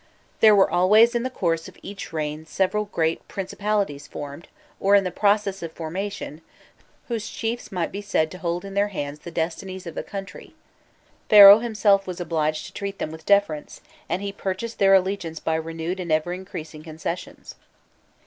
There were always in the course of each reign several great principalities formed, or in the process of formation, whose chiefs might be said to hold in their hands the destinies of the country. Pharaoh himself was obliged to treat them with deference, and he purchased their allegiance by renewed and ever increasing concessions.